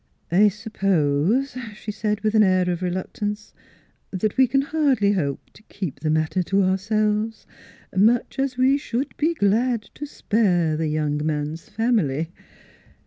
" I suppose," she said, with an air of reluct ance, u that we can hardly hope to keep the matter to ourselves much as we should be g lad to spare the young man's family.